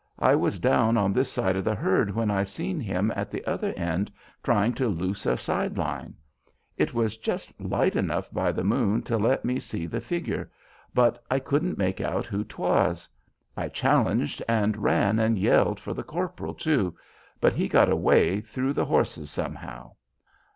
I was down on this side of the herd when I seen him at the other end trying to loose a side line. It was just light enough by the moon to let me see the figure, but I couldn't make out who 'twas. I challenged and ran and yelled for the corporal, too, but he got away through the horses somehow.